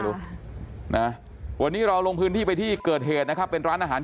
นะวันนี้เราลงพื้นที่ไปที่เกิดเหตุนะครับเป็นร้านอาหาร